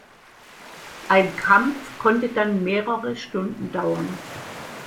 Ein Kampf konnte dann mehrere Stunden dauern.